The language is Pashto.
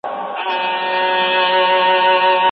که مینه وي نو نفرت نه خپریږي.